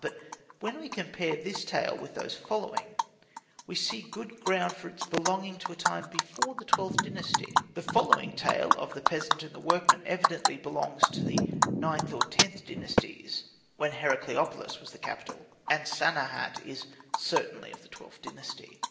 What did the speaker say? But when we compare this tale with those following, we see good ground for its belonging to a time before the XIIth Dynasty The following tale of the peasant and the workman evidently belongs to the IXth or Xth Dynasties, when Herakleopolis was the capital, and Sanehat is certainly of the XIIth Dynasty.